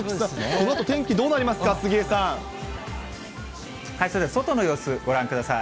このあと、天気どうなりますか、それでは外の様子、ご覧ください。